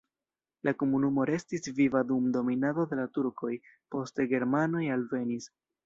La komunumo restis viva dum dominado de la turkoj, poste germanoj alvenis.